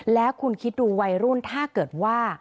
แล้วคุณคิดดูวัยรุ่นถ้าเกิดว่า